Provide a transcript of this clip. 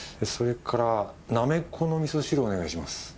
それからなめこの味噌汁お願いします。